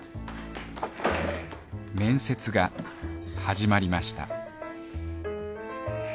面接が始まりました